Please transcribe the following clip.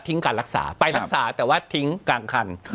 การรักษาไปรักษาแต่ว่าทิ้งกลางคัน